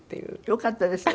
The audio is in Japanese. よかったですね。